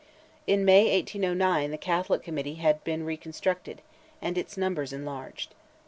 In May, 1809, the Catholic Committee had been reconstructed, and its numbers enlarged.